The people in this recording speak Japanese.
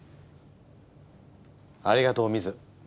ありがとうミズ。